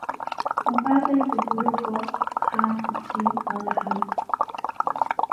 Comparte el subgrupo Han-Kutchin con la Han.